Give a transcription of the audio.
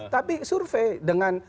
tapi survei dengan